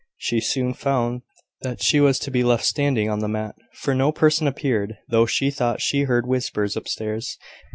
She soon found that she was to be left standing on the mat; for no person appeared, though she thought she heard whispers upstairs.